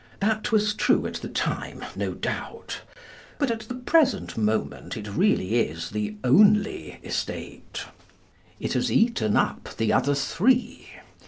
That was true at the time, no doubt. But at the present moment it really is the only estate. It has eaten up the other three.